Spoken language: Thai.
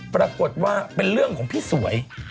ปรากฏว่าเป็นเรื่องของพี่สวย